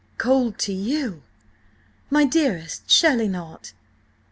"Cold to you? My dearest, surely not?"